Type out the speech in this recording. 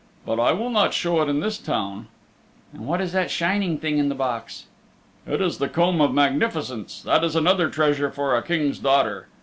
But I will not show it in this town." "And what is that shining thing in the box?" "It is the Comb of Magnificence. That is another treasure for a King's daughter.